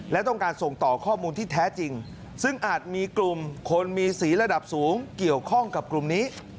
และต้องการส่งต่อข้อมูลที่แท้จริงซึ่งอาจมีกลุ่มคนมีสีระดับสูงเกี่ยวข้องกับกลุ่มนี้